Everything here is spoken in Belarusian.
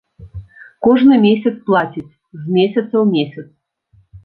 Кожны месяц плацяць, з месяца ў месяц.